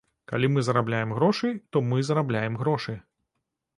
Калі мы зарабляем грошы, то мы зарабляем грошы.